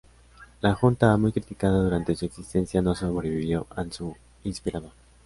La Junta, muy criticada durante su existencia, no sobrevivió a su inspirador.